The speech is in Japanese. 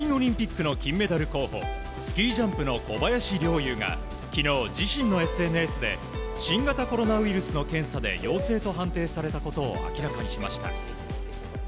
北京オリンピックの金メダル候補スキージャンプの小林陵侑が昨日自身のＳＮＳで新型コロナウイルスの検査で陽性と判定されたことを明らかにしました。